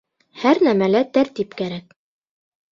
Һәр нәмәлә тәртип кәрәк.